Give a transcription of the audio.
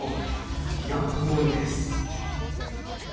ギャップ萌えです。